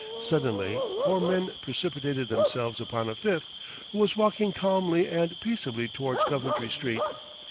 Suddenly four men precipitated themselves upon a fifth, who was walking calmly and peaceably towards Coventry Street.